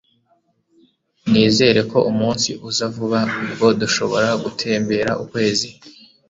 nizere ko umunsi uza vuba ubwo dushobora gutembera ukwezi